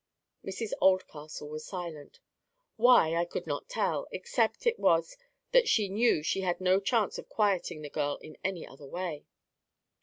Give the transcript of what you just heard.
Mrs Oldcastle was silent—why, I could not tell, except it was that she knew she had no chance of quieting the girl in any other way.